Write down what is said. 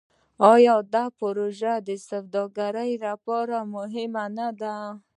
آیا دا پروژه د سوداګرۍ لپاره مهمه نه ده؟